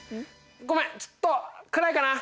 ごめんちょっと暗いかな。